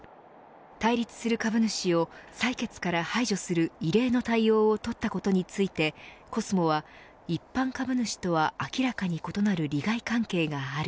対立する株主を採決から排除する異例の対応を取ったことについてコスモは一般株主とは明らかに異なる利害関係がある。